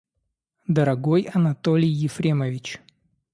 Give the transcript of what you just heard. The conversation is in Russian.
Дорогой Анатолий Ефремович!